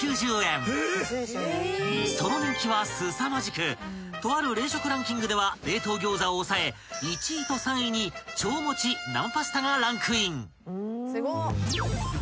［その人気はすさまじくとある冷食ランキングでは冷凍餃子を抑え１位と３位に超もち生パスタがランクイン］